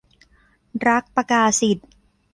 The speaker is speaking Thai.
รักประกาศิต